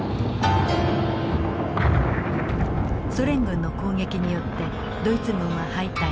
ソ連軍の攻撃によってドイツ軍は敗退。